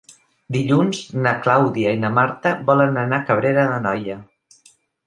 Dilluns na Clàudia i na Marta volen anar a Cabrera d'Anoia.